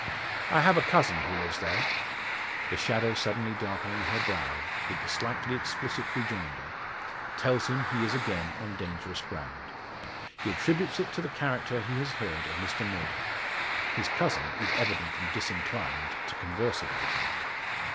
"I have a cousin who lives there." The shadow suddenly darkening her brow, with the slightly explicit rejoinder, tells him he is again on dangerous ground. He attributes it to the character he has heard of Mr Murdock. His cousin is evidently disinclined to converse about him.